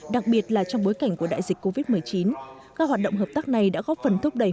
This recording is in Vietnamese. đặc biệt là trong bối cảnh của đại dịch covid một mươi chín các hoạt động hợp tác này đã góp phần thúc đẩy